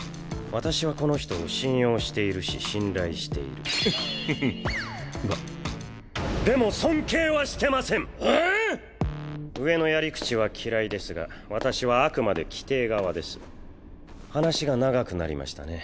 私はこの人を信用しているし信頼しているでも尊敬はしてません上のやり口は嫌いですが私は話が長くなりましたね。